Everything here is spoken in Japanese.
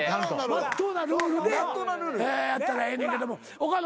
まっとうなルールでやったらええねんけども岡野